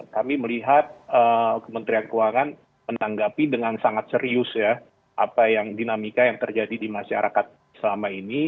kami melihat kementerian keuangan menanggapi dengan sangat serius ya apa yang dinamika yang terjadi di masyarakat selama ini